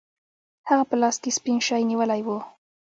هغه په لاس کې سپین شی نیولی و.